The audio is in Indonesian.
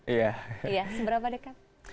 iya seberapa dekat